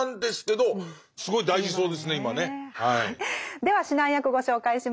では指南役ご紹介しましょう。